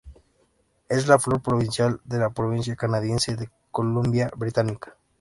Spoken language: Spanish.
Es la flor provincial de la provincia canadiense de Columbia Británica.